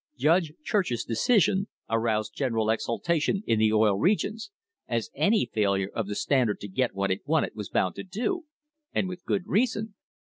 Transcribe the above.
Judge Church's decision aroused general exultation in the Oil Regions as any failure of the Standard to get what it wanted was bound to do, and with good reason.